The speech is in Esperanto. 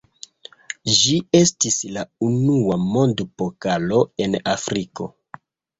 Ĝi estis la unua mondpokalo en Afriko.